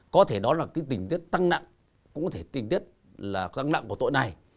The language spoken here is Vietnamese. có thể đó là cái tình tiết tăng nặng có thể tình tiết là tăng nặng của tội này